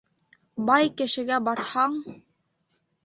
Бай кешегә барһаң